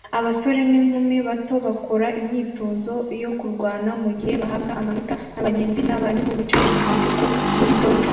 Abasore n'inkumi bato bakora imyitozo yo kurwana mugihe bahabwa amanota nabagenzi nabarimu bicaye kumatiku muri dojo